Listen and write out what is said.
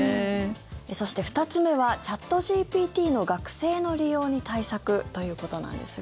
そして２つ目はチャットＧＰＴの学生の利用に対策ということなんですが。